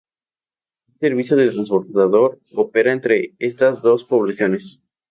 Un servicio de transbordador opera entre estas dos poblaciones.